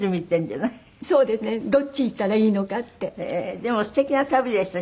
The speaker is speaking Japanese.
でも素敵な旅でしたね